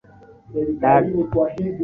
Dada ameshinda tuzo kubwa sana